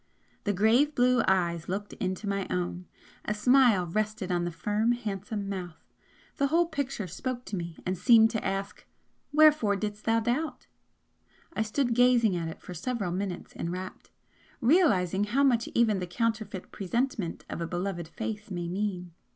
The grave blue eyes looked into my own, a smile rested on the firm, handsome mouth the whole picture spoke to me and seemed to ask 'Wherefore didst thou doubt?' I stood gazing at it for several minutes, enrapt, realising how much even the 'counterfeit presentment' of a beloved face may mean.